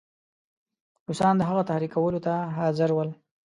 روسان د هغه تحریکولو ته حاضر ول.